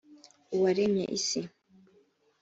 uwaremye isi